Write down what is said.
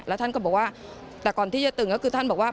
แล้วท่านก็บอกว่าแต่ก่อนที่จะตึงก็คือท่านบอกว่า